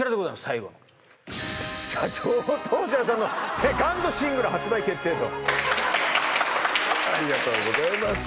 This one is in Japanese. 最後の社長と保科さんのセカンドシングル発売決定とありがとうございます